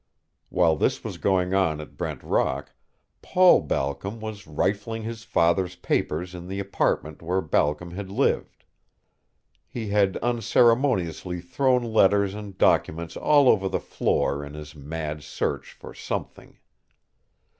While this was going on at Brent Rock, Paul Balcom was rifling his father's papers in the apartment where Balcom had lived. He had unceremoniously thrown letters and documents all over the floor in his mad search for something.